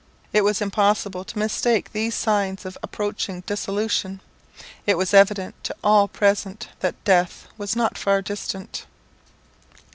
It was impossible to mistake these signs of approaching dissolution it was evident to all present that death was not far distant.